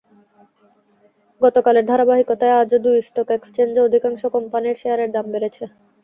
গতকালের ধারাবাহিকতায় আজও দুই স্টক এক্সচেঞ্জে অধিকাংশ কোম্পানির শেয়ারের দাম বেড়েছে।